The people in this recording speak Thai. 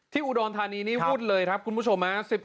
ที่อุดรธานีนี้พูดเลยครับคุณผู้ชมนะ